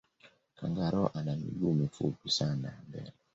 kangaroo ana miguu mifupi sana ya mbele